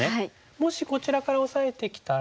もしこちらからオサえてきたら。